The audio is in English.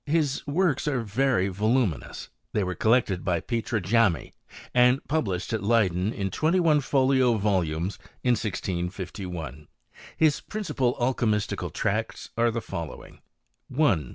His works are very volaminous They were collected by Petr. Jammy, and publiihaii at lieyden in twenty one folio volumes, in 16^* IfM principal alchy mistical tracts are the following : 1 .